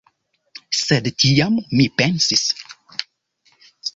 Sed tiam mi pensis: